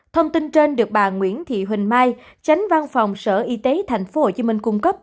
thông tin trên được bà nguyễn thị huỳnh mai tránh văn phòng sở y tế tp hcm cung cấp